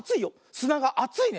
すながあついね。